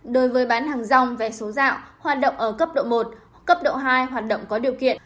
đối với bán hàng rong vé số dạo hoạt động ở cấp độ một cấp độ hai hoạt động có điều kiện